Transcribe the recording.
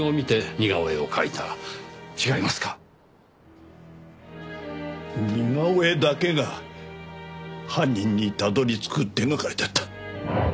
似顔絵だけが犯人にたどり着く手掛かりだった。